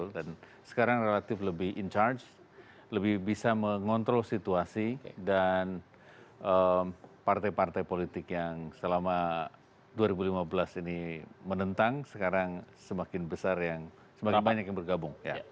dan sekarang relatif lebih in charge lebih bisa mengontrol situasi dan partai partai politik yang selama dua ribu lima belas ini menentang sekarang semakin banyak yang bergabung